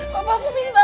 no repot terus bebas